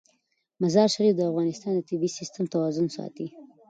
مزارشریف د افغانستان د طبعي سیسټم توازن ساتي.